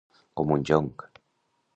Com un jonc.